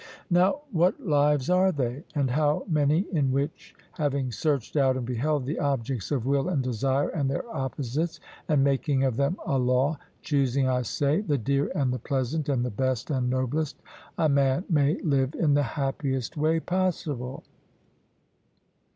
Now, what lives are they, and how many in which, having searched out and beheld the objects of will and desire and their opposites, and making of them a law, choosing, I say, the dear and the pleasant and the best and noblest, a man may live in the happiest way possible?